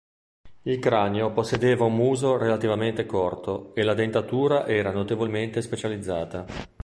Il cranio possedeva un muso relativamente corto, e la dentatura era notevolmente specializzata.